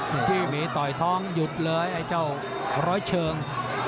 พี่หมีต่อยท้องหยุดเลยไอ้เจ้าร้อยเชิง